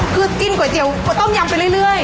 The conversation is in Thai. คือกินก๋วยเตี๋ยวต้มยำไปเรื่อย